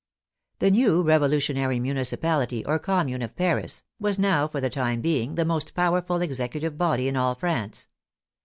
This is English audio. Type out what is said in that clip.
The new revolutionary municipality, or Commune of Paris, was now for the time being the most powerful executive body in all France.